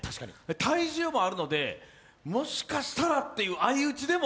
体重もあるので、もしかしたらという、相打ちでも